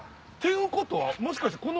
っていうことはもしかして。